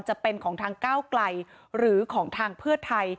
จะเป็นของทางก้าวไกลหรือของทางเพื่อไทย